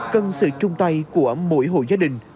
cần sự chung tay của mỗi hồ gia đình